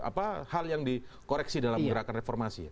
apa hal yang dikoreksi dalam gerakan reformasi